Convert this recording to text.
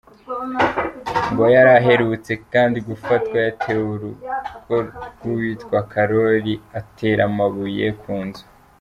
Ngo yari aherutse kandi gufatwa yateye urugo rw’uwitwa Karori atera amabuye ku nzu.